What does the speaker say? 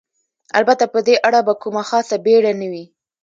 البته په دې اړه به کومه خاصه بېړه نه وي.